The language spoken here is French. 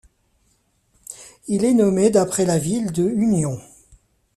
Il est nommé d'après la ville de Union.